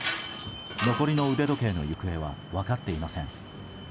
残りの腕時計の行方は分かっていません。